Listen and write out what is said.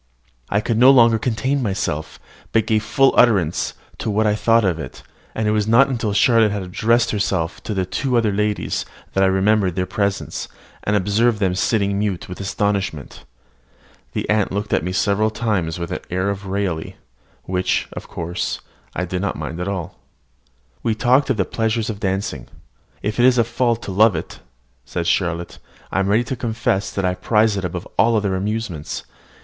I could no longer contain myself, but gave full utterance to what I thought of it: and it was not until Charlotte had addressed herself to the two other ladies, that I remembered their presence, and observed them sitting mute with astonishment. The aunt looked at me several times with an air of raillery, which, however, I did not at all mind. We talked of the pleasures of dancing. "If it is a fault to love it," said Charlotte, "I am ready to confess that I prize it above all other amusements.